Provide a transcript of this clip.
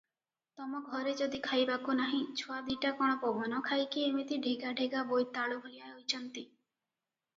ତମେ ଘରେ ଯଦି ଖାଇବାକୁ ନାହିଁ, ଛୁଆ ଦିଟା କଣ ପବନ ଖାଇକି ଏମିତି ଢ଼େଗା ଢ଼େଗା ବୋଇତାଳୁ ଭଳିଆ ହେଇଛନ୍ତି?